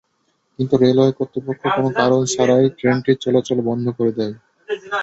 কিন্তু রেলওয়ে কর্তৃপক্ষ কোনো কারণ ছাড়াই ট্রেনটির চলাচল বন্ধ করে দেয়।